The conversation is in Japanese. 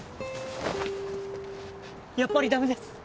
やっぱり駄目です！